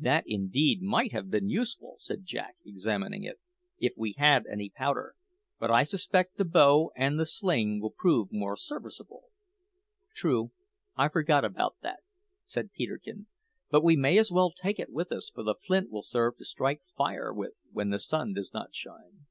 "That, indeed, might have been useful," said Jack, examining it, "if we had any powder; but I suspect the bow and the sling will prove more serviceable." "True, I forgot that," said Peterkin; "but we may as well take it with us, for the flint will serve to strike fire with when the sun does not shine."